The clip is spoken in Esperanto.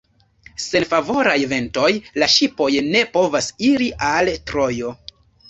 Sen favoraj ventoj, la ŝipoj ne povas iri al Trojo.